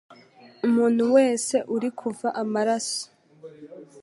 Umuntu wese uri kuva amaraso